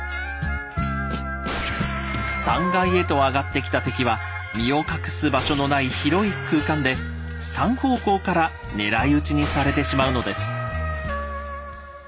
３階へと上がってきた敵は身を隠す場所のない広い空間で３方向から狙い撃ちにされてしまうのです。